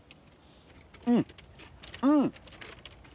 うんうん！